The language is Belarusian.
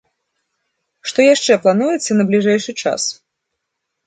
Што яшчэ плануецца на бліжэйшы час?